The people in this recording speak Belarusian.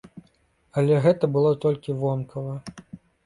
Але гэта было толькі вонкава.